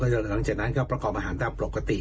หลังจากนั้นก็ประกอบอาหารตามปกติ